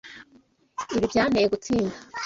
Ibi byanteye gutsinda.